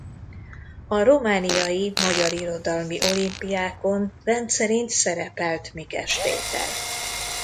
A romániai magyar irodalmi olimpiákon rendszerint szerepelt Mikes-tétel.